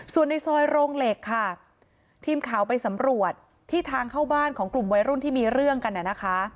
ส่วนในซอยโรงเหล็กค่ะทีมข่าวไปสำรวจที่ทางเข้าบ้านของกลุ่มวัยรุ่นที่มีเรื่องกันน่ะนะคะ